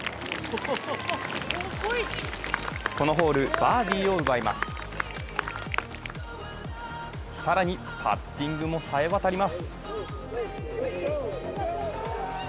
このホール、バーディーを奪います更に、パッティングもさえわたります。